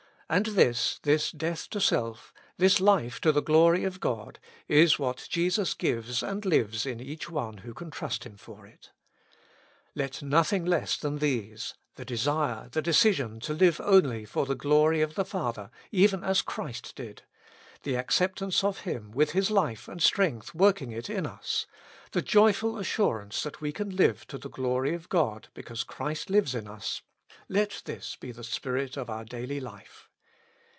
And this— this death to self, this life to the glory of God— is what Jesus gives and lives in each one who can trust Him for it. Let nothing less than these— the desire, the decision to live only for the glory of the Father, even as Christ did ; the acceptance of Him with His life and strength working it in us ; the joyful assurance that we can live to the glory of God, because Christ lives in us ; let this be the spirit of our daily life.